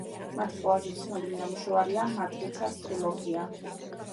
მათი ყველაზე ცნობილი ნამუშევარია „მატრიცას“ ტრილოგია.